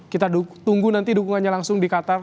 kita tunggu nanti dukungannya langsung di qatar